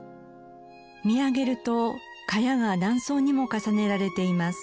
見上げると茅が何層にも重ねられています。